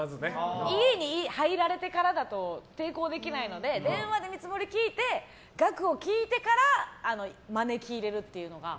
家に入られてからだと抵抗できないので電話で見積もり聞いて額を聞いてから招き入れるっていうのが。